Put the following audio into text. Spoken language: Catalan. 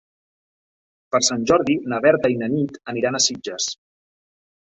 Per Sant Jordi na Berta i na Nit aniran a Sitges.